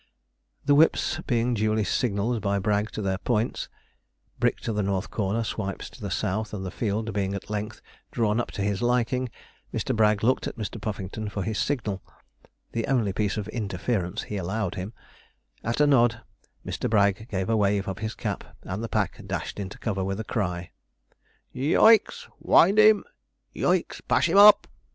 The whips being duly signalled by Bragg to their points Brick to the north corner, Swipes to the south and the field being at length drawn up to his liking, Mr. Bragg looked at Mr. Puffington for his signal (the only piece of interference he allowed him); at a nod Mr. Bragg gave a wave of his cap, and the pack dashed into cover with a cry. 'Yo o icks wind him! Yo o icks pash him up!'